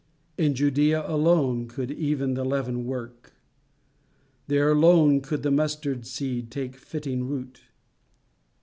In Judæa alone could the leaven work; there alone could the mustard seed take fitting root.